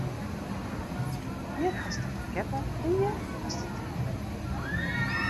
Hjir hast de makette en hjir hast de tekening.